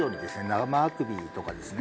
生あくびとかですね